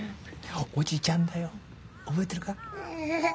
おじちゃんだよ覚えてるか？